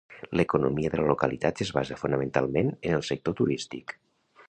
L'economia de la localitat es basa fonamentalment en el sector turístic.